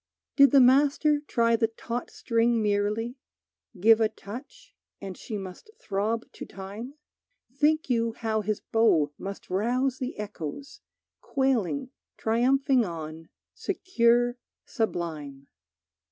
Did the Master try the taut string merely, Give a touch, and she must throb to time? Think you how his bow must rouse the echoes, Quailing triumphing on, secure, sublime!